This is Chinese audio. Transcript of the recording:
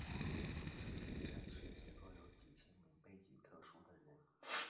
这些战时机构有几千名背景特殊的人。